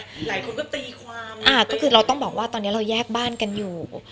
หลายคนก็ตีความอ่าก็คือเราต้องบอกว่าตอนนี้เราแยกบ้านกันอยู่